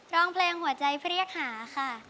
ร้องเพลงหัวใจเรียกหาค่ะ